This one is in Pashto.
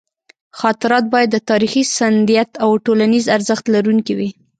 خاطرات باید د تاریخي سندیت او ټولنیز ارزښت لرونکي وي.